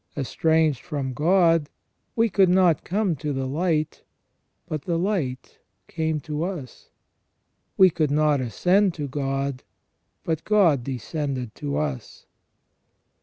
Estranged from God, we could not come to the light ; but the light came to us. We could not ascend to God ; but God descended to us.